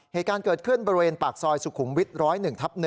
เหตุการณ์เกิดขึ้นบริเวณปากซอยสุขุมวิท๑๐๑ทับ๑